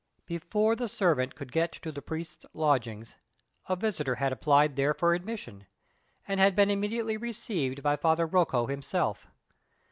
Before the servant could get to the priest's lodgings a visitor had applied there for admission, and had been immediately received by Father Rocco himself.